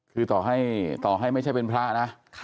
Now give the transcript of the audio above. คือต่อให้ไม่ใช่เป็นพระนะ